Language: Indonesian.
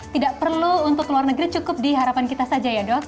tidak perlu untuk luar negeri cukup di harapan kita saja ya dok